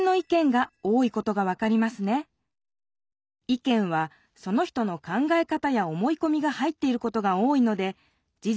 意見はその人の考え方や思いこみが入っていることが多いので事